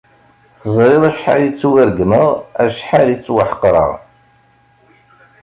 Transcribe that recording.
Teẓriḍ acḥal i ttwaregmeɣ, acḥal i ttwaḥeqreɣ.